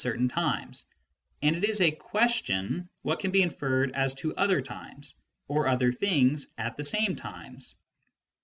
79 certain times, and it is a question what can be inferred as to other times, or other things at the same times.